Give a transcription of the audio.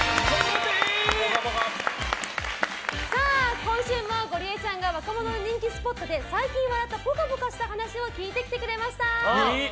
今週もゴリエちゃんが若者の人気スポットで最近ぽかぽかした話を聞いてきてくれました。